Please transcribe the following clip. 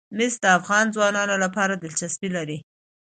مس د افغان ځوانانو لپاره دلچسپي لري.